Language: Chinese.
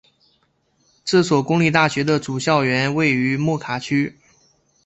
这所公立大学的主校园位于莫卡区。